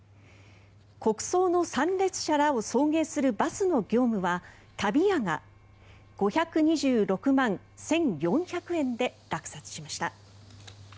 国葬の参列者らを送迎するバスの業務は旅屋が５２６万１４００円で落札しました。